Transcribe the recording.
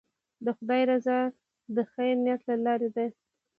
د خدای رضا د خیر نیت له لارې ده.